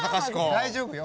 大丈夫よ。